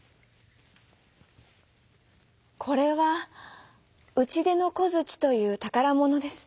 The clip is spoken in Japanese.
「これはうちでのこづちというたからものです。